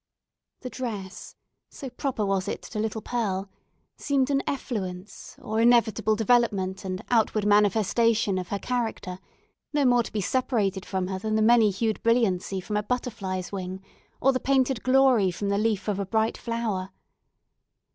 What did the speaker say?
The dress, so proper was it to little Pearl, seemed an effluence, or inevitable development and outward manifestation of her character, no more to be separated from her than the many hued brilliancy from a butterfly's wing, or the painted glory from the leaf of a bright flower.